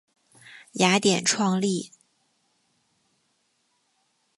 雅典创立。